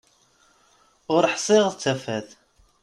Ur ḥsiɣ d tafat.